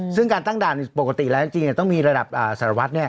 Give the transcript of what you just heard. ซึ่งการตั้งด่านปกติแล้วจริงเนี่ยต้องมีระดับสารวัฒน์เนี่ย